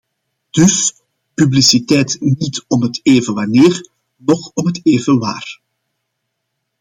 Dus, publiciteit niet om het even wanneer, noch om het even waar.